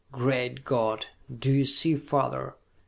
"Great God, do you see father?"